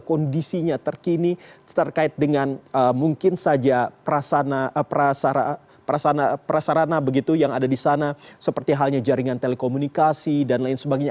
kondisinya terkini terkait dengan mungkin saja prasarana begitu yang ada di sana seperti halnya jaringan telekomunikasi dan lain sebagainya